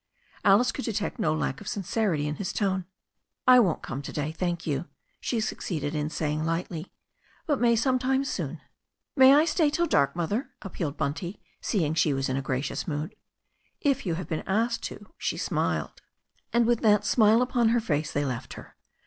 Alice could detect no lack of sincerity in his tone. "I won't come to day, thank you," she succeeded in saying lightly, "but some time soon." "May I stay till dark. Mother?" appealed Bunty, seeing she was in a gracious mood. "If you have been asked to," she smiled. And with that smile upon her face they left her.